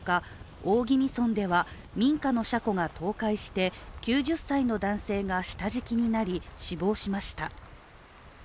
大宜味村では民家の車庫が倒壊して９０歳の男性が下敷きになり死亡しました。